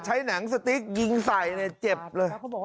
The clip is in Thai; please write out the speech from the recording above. ใช้หนังสติ๊กยิงใส่เจ็บเลย